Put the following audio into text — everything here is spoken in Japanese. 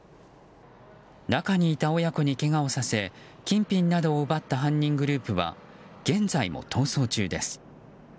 中にいた親子に、けがをさせ金品などを奪った犯人グループは現在も逃走中です。